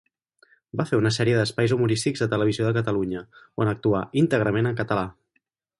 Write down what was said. Va fer una sèrie d'espais humorístics a Televisió de Catalunya, on actuà íntegrament en català.